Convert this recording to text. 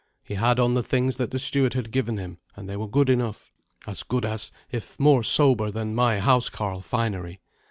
He had on the things that the steward had given him, and they were good enough as good as, if more sober than, my housecarl finery.